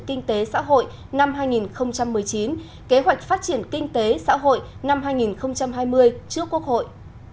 kinh tế xã hội năm hai nghìn một mươi chín kế hoạch phát triển kinh tế xã hội năm hai nghìn hai mươi trước quốc hội